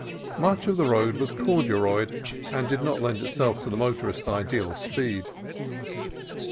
Much of the road was "corduroyed," and did not lend itself to the motorist's ideal of speed.